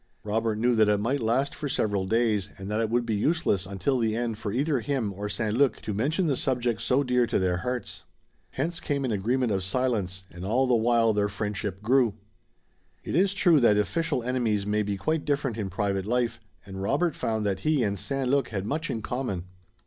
Robert knew that it might last for several days and that it would be useless until the end for either him or St. Luc to mention the subject so dear to their hearts. Hence came an agreement of silence, and all the while their friendship grew. It is true that official enemies may be quite different in private life, and Robert found that he and St. Luc had much in common.